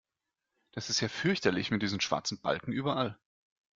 Das ist ja fürchterlich mit diesen schwarzen Balken überall!